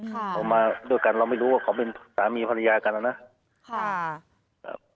เขามาด้วยกันเราไม่รู้ว่าเขาเป็นสามีภรรยากันนะค่ะ